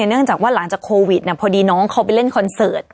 เนื่องจากว่าหลังจากโควิดพอดีน้องเขาไปเล่นคอนเสิร์ต